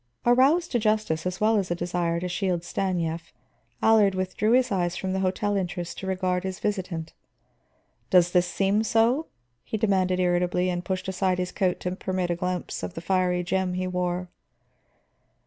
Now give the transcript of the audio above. Aroused to justice as well as a desire to shield Stanief, Allard withdrew his eyes from the hotel entrance to regard his visitant. "Does this seem so?" he demanded irritably, and pushed aside his coat to permit a glimpse of the fiery gem he wore.